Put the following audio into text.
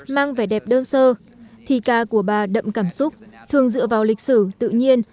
mang vẻ đẹp đơn sơ thì ca của bà đậm cảm xúc thường dựa vào lịch sử tự nhiên